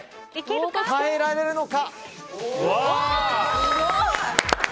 耐えられるのか。